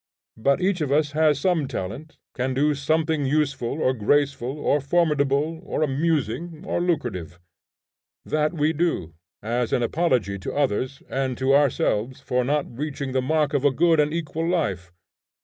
But each of us has some talent, can do somewhat useful, or graceful, or formidable, or amusing, or lucrative. That we do, as an apology to others and to ourselves for not reaching the mark of a good and equal life.